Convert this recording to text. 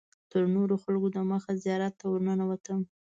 تر نورو خلکو دمخه زیارت ته ورننوتم.